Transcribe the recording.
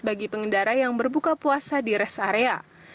bagi pengendara yang berbuka puasa di rest area